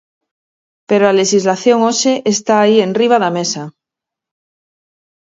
Pero a lexislación hoxe está aí enriba da mesa.